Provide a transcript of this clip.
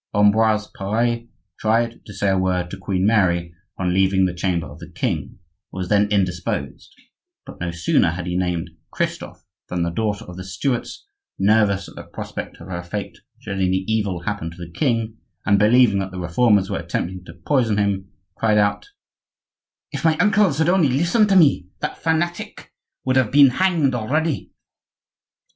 Ambroise Pare tried to say a word to Queen Mary on leaving the chamber of the king, who was then indisposed; but no sooner had he named Christophe than the daughter of the Stuarts, nervous at the prospect of her fate should any evil happen to the king, and believing that the Reformers were attempting to poison him, cried out:— "If my uncles had only listened to me, that fanatic would have been hanged already."